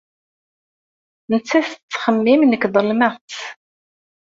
Nettat tettxemmim nekk ḍelmeɣ-tt.